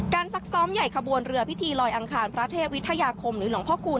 ซักซ้อมใหญ่ขบวนเรือพิธีลอยอังคารพระเทพวิทยาคมหรือหลวงพ่อคูณ